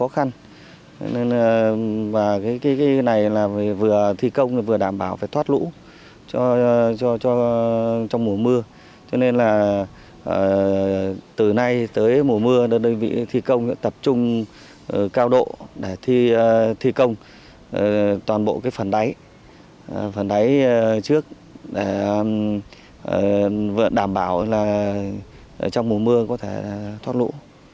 phần đấy trước vượn đảm bảo là trong mùa mưa có thể thoát lũ